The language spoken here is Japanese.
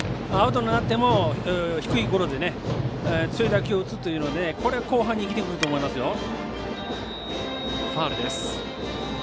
アウトになっても低いゴロで強い打球を打つというので後半に生きてくると思いますよ。